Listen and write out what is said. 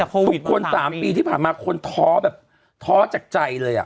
ทุกคน๓ปีที่ผ่านมาคนท้อแบบท้อจากใจเลย